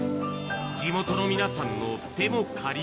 地元の皆さんの手も借り。